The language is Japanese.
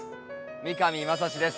三上真史です。